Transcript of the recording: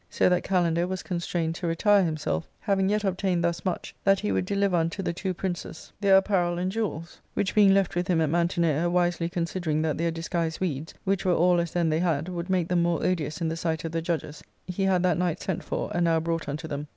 So that Kalander was constrained to retire himself, having yet obtained thus much, that he would deliver unto the two princes their apparel • Curious — /.ft, scrupulous, particular. 454 ARCADIA.'^Book V, and jewels, which being left with him at Mantinea, Wisely con sidering that their disguised weeds, which were all as then they had, would make them more odious in the sight of the judges, he had that night sent for" and now brought unto them.